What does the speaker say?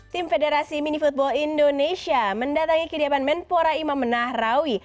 tim federasi mini football indonesia mendatangi kediaman menpora imam nahrawi